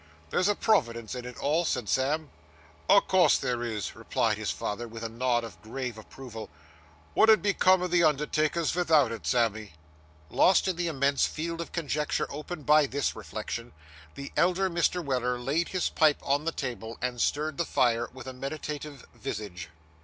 'There's a Providence in it all,' said Sam. 'O' course there is,' replied his father, with a nod of grave approval. 'Wot 'ud become of the undertakers vithout it, Sammy?' Lost in the immense field of conjecture opened by this reflection, the elder Mr. Weller laid his pipe on the table, and stirred the fire with a meditative visage.